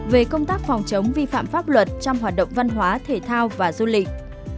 về công tác phòng chống vi phạm pháp luật trong hoạt động văn hóa thể thao và du lịch